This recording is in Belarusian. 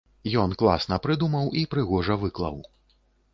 Ён класна прыдумаў і прыгожа выклаў.